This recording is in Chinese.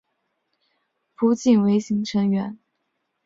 浦井唯行成员。